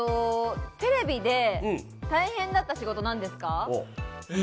テレビで大変だった仕事は何ですか？